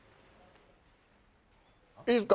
いいっすか？